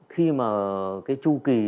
khi mà cái chu kỳ